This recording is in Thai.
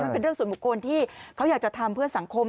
ผู้สูญมุมโคลที่เขาอยากจะทำเพื่อสังคม